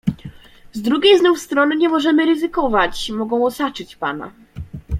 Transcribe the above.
"Z drugiej znów strony nie możemy ryzykować - mogą osaczyć pana."